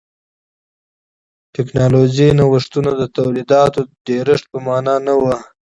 ټکنالوژیکي نوښتونه د تولیداتو د ډېرښت په معنا نه و.